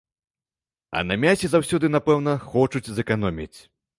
А на мясе заўсёды, напэўна, хочуць зэканоміць.